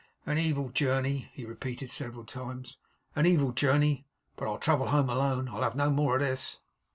'An evil journey,' he repeated several times. 'An evil journey. But I'll travel home alone. I'll have no more of this.